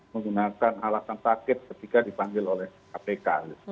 menggunakan alasan sakit ketika dipanggil oleh kpk